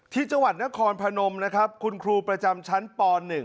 ที่จังหวัดนครพนมนะครับคุณครูประจำชั้นป๑